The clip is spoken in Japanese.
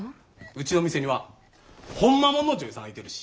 うちの店にはほんまもんの女優さんがいてるし。